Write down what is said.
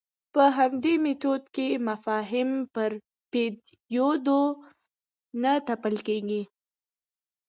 په دې میتود کې مفاهیم پر پدیدو نه تپل کېږي.